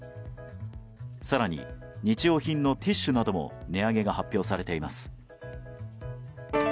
更に、日用品のティッシュなども値上げが発表されています。